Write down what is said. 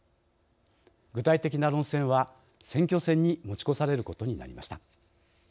具体的な論戦は、選挙戦に持ち越されることになりました。